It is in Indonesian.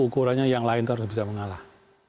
ukurannya yang lain itu harus bisa mengalah